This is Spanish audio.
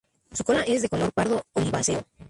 Su cola es de color pardo oliváceo.